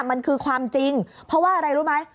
มันคือความจริงเพราะว่าอะไรรู้ไหม